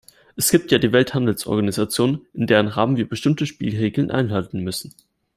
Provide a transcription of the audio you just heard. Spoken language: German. Es gibt ja die Welthandelsorganisation, in deren Rahmen wir bestimmte Spielregeln einhalten müssen.